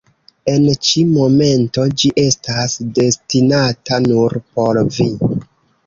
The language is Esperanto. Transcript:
En ĉi momento ĝi estas destinata nur por vi.